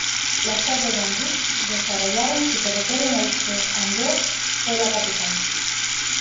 Los condes de Anjou desarrollaron su territorio del que Angers fue la capital.